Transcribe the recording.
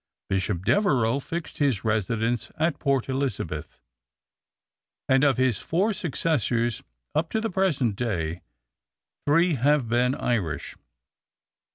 Bishop Devereux fixed his residence at Port Elizabeth, and of his four successors up to the present day three have been Irish.